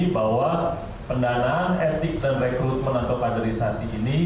bahwa pendanaan etik dan rekrutmen antar paderisasi ini